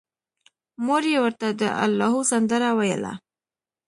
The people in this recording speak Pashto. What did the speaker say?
مور یې ورته د اللاهو سندره ویله